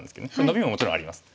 ノビももちろんあります。